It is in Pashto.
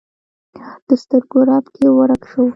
د سترګو رپ کې ورک شو